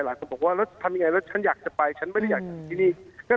หลายคนบอกว่าแล้วทำยังไงแล้วฉันอยากจะไปฉันไม่ได้อยากอยู่ที่นี่